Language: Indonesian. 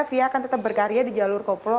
fia akan tetap berkarya di jalur koplo